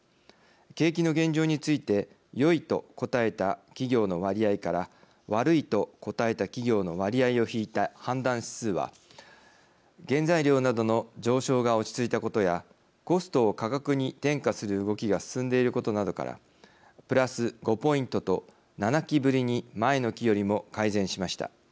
景気の現状についてよいと答えた企業の割合から悪いと答えた企業の割合を引いた判断指数は原材料などの上昇が落ち着いたことやコストを価格に転嫁する動きが進んでいることなどからプラス５ポイントと７期ぶりに前の期よりも改善しました。